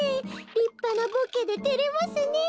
りっぱなボケでてれますねえ。